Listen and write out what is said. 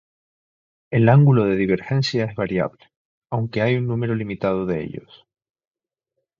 El ángulo de divergencia es variable, aunque hay un número limitado de ellos.